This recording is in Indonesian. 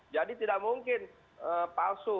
jadi tidak mungkin palsu